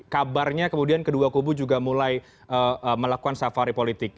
kabarnya kemudian kedua kubu juga mulai melakukan safari politik